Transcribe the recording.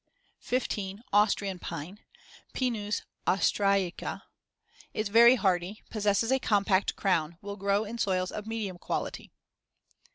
15. Austrian pine (Pinus austriaca) Is very hardy; possesses a compact crown; will grow in soils of medium quality.